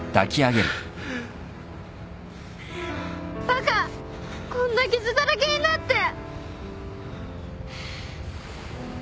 バカこんな傷だらけになって。